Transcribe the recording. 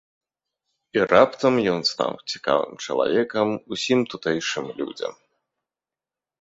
І раптам ён стаў цікавым чалавекам усім тутэйшым людзям.